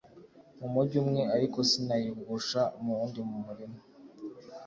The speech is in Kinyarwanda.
mu mugi umwe ariko sinayigusha mu wundi Mu murima